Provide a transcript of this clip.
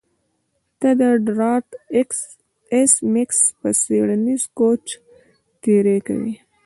ته د ډارت ایس میکس په څیړنیز کوچ تیری کوې